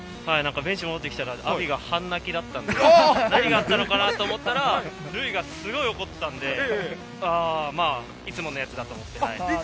ベンチに戻ってきたら、アヴィが半泣きだったので、何があったのかなと思ったら、塁がすごく怒っていたので、いつものやつだと思って。